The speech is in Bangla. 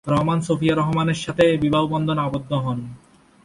রহমান সোফিয়া রহমানের সাথে বিবাহবন্ধনে আবদ্ধ হন।